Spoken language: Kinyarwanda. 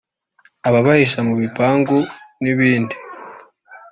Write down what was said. ababahisha mu bipangu n’ibindi